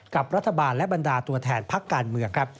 กับรัฐบาลและบรรดาตัวแทนพักการเมืองครับ